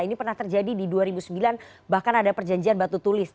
ini pernah terjadi di dua ribu sembilan bahkan ada perjanjian batu tulis